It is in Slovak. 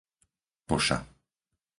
Poša